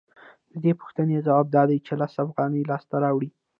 د دې پوښتنې ځواب دا دی چې لس افغانۍ لاسته راوړي